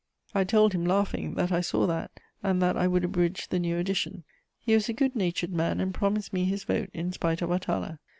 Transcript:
I told him, laughing, that I saw that, and that I would abridge the new edition. He was a good natured man and promised me his vote, in spite of _Atala.